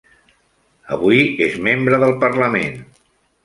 Avui és membre del Parlament.